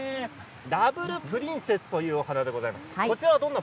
ダブルプリンセスというお花です。